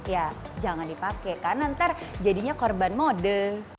ya jangan dipakai karena nanti jadinya korban mode